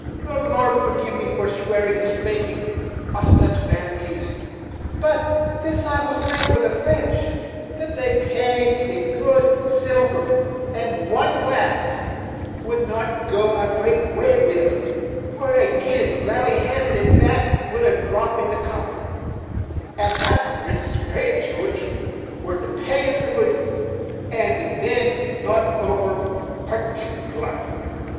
the Lord forgive me for swearing and spakeing of such vanities; but this I will say for the French, that they paid in good silver; and one glass would go a great way wid 'em, for they gin'rally handed it back wid a drop in the cup; and that's a brisk trade, Joodge, where the pay is good, and the men not over partic'lar."